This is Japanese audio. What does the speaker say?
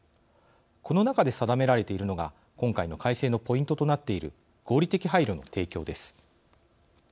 この中で定められているのが今回の改正のポイントとなっている合理的配慮の提供です。